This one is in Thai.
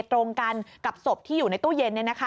ตรงกันกับศพที่อยู่ในตู้เย็น